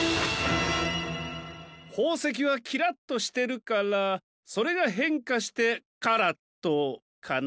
ほうせきはキラッとしてるからそれがへんかしてカラットかな？